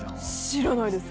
知らないです。